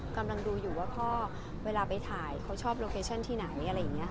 กำลังดูอยู่ว่าพ่อเวลาไปถ่ายเขาชอบโลเคชั่นที่ไหน